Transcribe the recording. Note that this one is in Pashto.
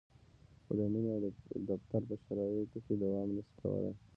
خو د مینې او د دفتر په شرایطو کې دوام نشي کولای.